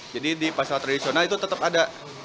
jadi di pasal tradisional itu tetap ada